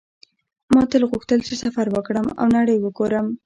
ما تل غوښتل چې سفر وکړم او نړۍ وګورم